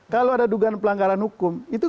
kalau ada dugaan pelanggaran hukum itu